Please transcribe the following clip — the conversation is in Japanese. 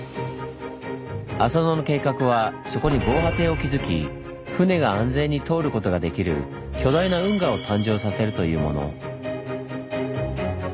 浅野の計画はそこに防波堤を築き船が安全に通ることができる巨大な運河を誕生させるというもの。